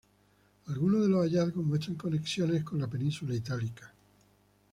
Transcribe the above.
Algunos de los hallazgos muestran conexiones con la península itálica.